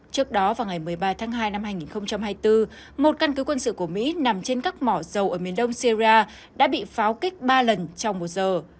trước đó vào ngày một mươi ba tháng hai năm hai nghìn hai mươi bốn một căn cứ quân sự của mỹ nằm trên các mỏ dầu ở miền đông sierra đã bị pháo kích ba lần trong một giờ